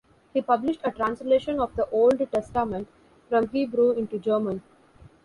He published a translation of the Old Testament from Hebrew into German.